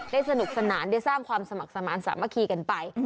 สนุกสนานได้สร้างความสมัครสมาธิสามัคคีกันไป